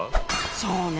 そうね。